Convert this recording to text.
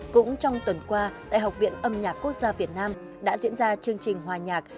cũng trong tuần qua tại học viện âm nhạc quốc gia việt nam đã diễn ra chương trình hòa nhạc